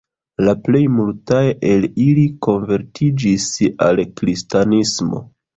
La plej multaj el ili konvertiĝis al kristanismo.